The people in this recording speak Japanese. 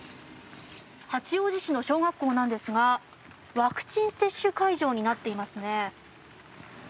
八王子市の小学校なんですがワクチン接種会場になっていますね。